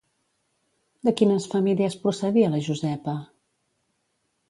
De quines famílies procedia la Josepa?